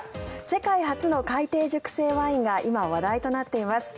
世界初の海底熟成ワインが今、話題となっています。